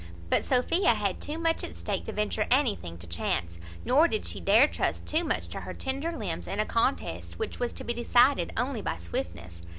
But Sophia had too much at stake to venture anything to chance; nor did she dare trust too much to her tender limbs, in a contest which was to be decided only by swiftness.